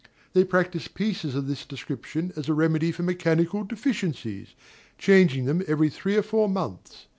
They practise pieces of this description as a remedy for mechanical deficiencies, changing them every three or four months.